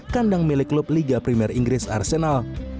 kandang milik klub liga primer inggris arsenal